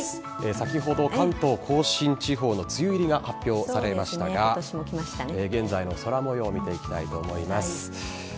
先ほど、関東甲信地方の梅雨入りが発表されましたが現在の空模様を見ていきたいと思います。